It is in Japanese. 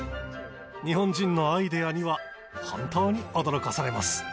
日本人のアイデアには本当に驚かされます。